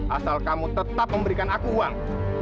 asal kamu tetap memberikan aku uang